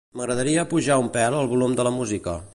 M'agradaria apujar un pèl el volum de la música.